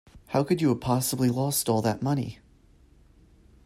How could you have possibly lost all that money?